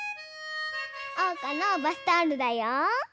おうかのバスタオルだよ。